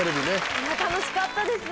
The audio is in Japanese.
いや楽しかったですね。